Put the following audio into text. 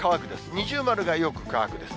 二重丸がよく乾くです。